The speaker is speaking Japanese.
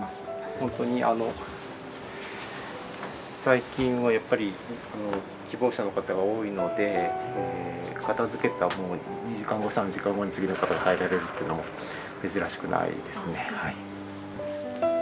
ほんとにあの最近はやっぱり希望者の方が多いので片づけた２時間後３時間後に次の方が入られるっていうのも珍しくないですね。